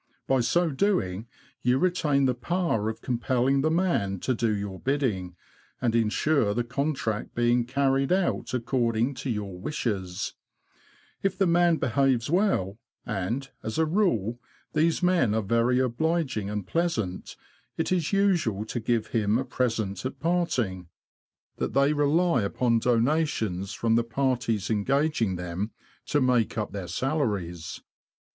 By so doing, you retain the power of com pelling the man to do your bidding, and insure the contract being carried out according to your wishes. If the man behaves well — and, as a rule, these men are very obliging and pleasant — it is usual to give him a present at parting ; indeed, some of these men are so poorly paid by the owners that they rely upon donations from the parties engaging them to make up their salaries.